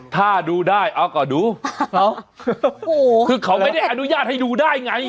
ถ้าดูได้เอาก็ดูคือเขาไม่ได้อนุญาตให้ดูได้ไง